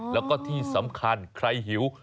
แล้วก็ที่สำคัญใครหิว